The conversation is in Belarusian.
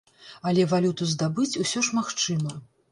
Але валюту здабыць усё ж магчыма.